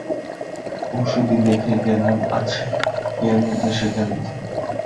পরশু দিন দেখে গেলাম আছে, এর মধ্যে সে গেল কোথায়?